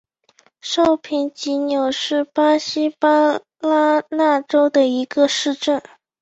绍平济纽是巴西巴拉那州的一个市镇。